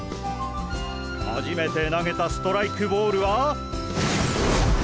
初めて投げたストライクボールは。